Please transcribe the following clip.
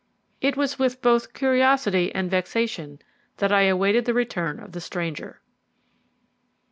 It was with both curiosity and vexation that I awaited the return of the stranger.